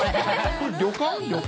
これ、旅館？